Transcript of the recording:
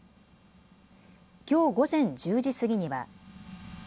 きょう午前１０時過ぎには。